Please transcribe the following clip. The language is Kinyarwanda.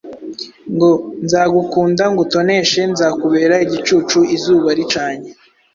Ngo: “Nzagukunda ngutoneshe, nzakubera igicucu izuba ricanye,